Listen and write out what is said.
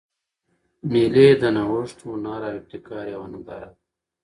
مېلې د نوښت، هنر او ابتکار یوه ننداره ده.